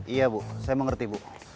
iya bu saya mengerti bu